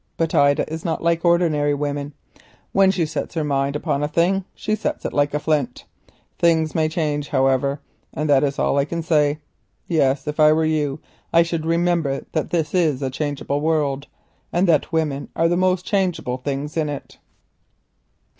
But Ida is not like ordinary women. When she sets her mind upon a thing she sets it like a flint. Times may change, however, and that is all I can say. Yes, if I were you, I should remember that this is a changeable world, and women are the most changeable things in it."